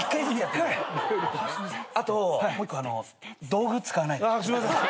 あともう１個道具使わないで。